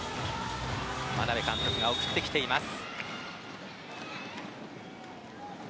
眞鍋監督が送ってきています。